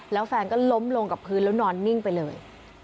แล้วแฟนก็ล้มลงกับพื้นแล้วนอนนิ่งไปเลย